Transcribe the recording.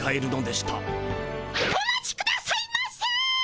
お待ちくださいませ！